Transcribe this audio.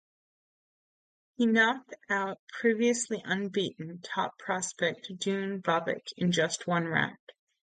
He knocked out previously unbeaten top prospect Duane Bobick in just one round.